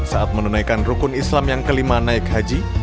saat menunaikan rukun islam yang kelima naik haji